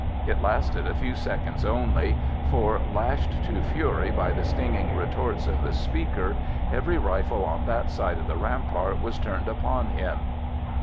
It lasted a few seconds only, for, lashed to fury by the stinging retorts of the speaker, every rifle on that side of the rampart was turned upon him.